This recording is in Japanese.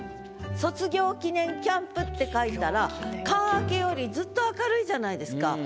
「卒業記念キャンプ」って書いたら「寒明」よりずっと明るいじゃないですか。